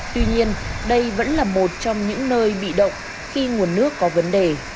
tuy nhiên đây vẫn là một trong những nơi bị động khi nguồn nước có vấn đề